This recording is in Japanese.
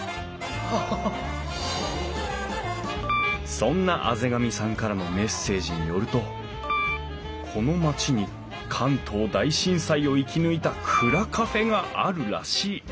そんな畔上さんからのメッセージによるとこの町に関東大震災を生き抜いた蔵カフェがあるらしい。